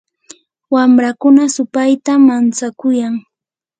wamrakuna supaytam mantsakuyan.